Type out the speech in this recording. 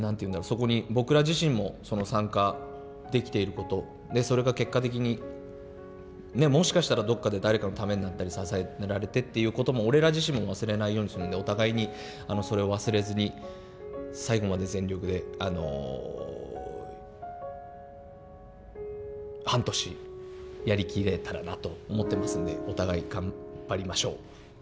そこに僕ら自身も参加できていることそれが結果的にもしかしたらどこかで誰かのためになったり支えられてっていうことも俺ら自身も忘れないようにするんでお互いにそれを忘れずに最後まで全力であの半年やり切れたらなと思ってますのでお互い頑張りましょう。